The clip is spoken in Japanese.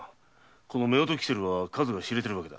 この夫婦煙管は数が知れてるわけだ。